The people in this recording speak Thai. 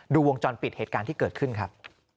วงจรปิดเหตุการณ์ที่เกิดขึ้นครับ